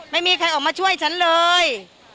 ไม่มีใครออกมาช่วยฉันเลย